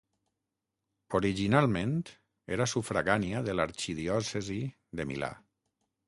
Originalment era sufragània de l'arxidiòcesi de Milà.